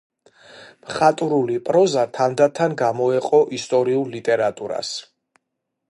მხატვრული პროზა თანდათან გამოეყო ისტორიულ ლიტერატურას.